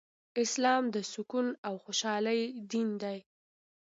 اسلام د سکون او خوشحالۍ دين دی